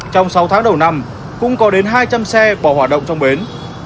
trong sáu tháng đầu năm cũng có đến hai trăm linh xe bỏ hoạt động trong bến